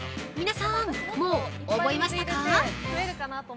皆さん、もう覚えましたか？